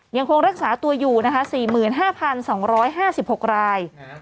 ยังคงรักษาตัวอยู่นะคะ๔๕๒๕๖ราย